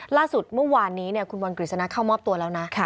ล่าสุดเมื่อวานนี้คุณบอลกฤษณะเข้ามอบตัวแล้วนะ